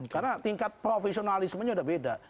karena tingkat profesionalismenya udah beda